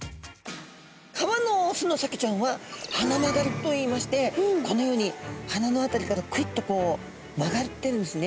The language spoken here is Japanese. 川のオスのサケちゃんは鼻曲がりといいましてこのように鼻の辺りからクイッとこう曲がってるんですね。